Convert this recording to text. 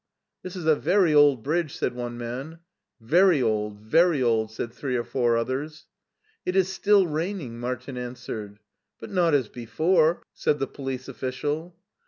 This is a very old bridge," said one man. Very old, very old," said three or four ofliers. It is still raining," Martin answered. " But not as before," said the police official.